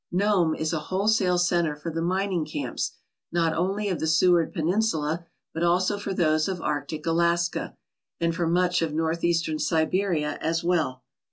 Nome is a wholesale centre for the mining camps not only of the Seward Peninsula, but also for those of Arctic Alaska, and for much of north eastern Siberia as well.